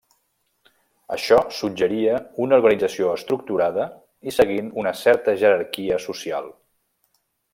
Això suggeria una organització estructurada i seguint una certa jerarquia social.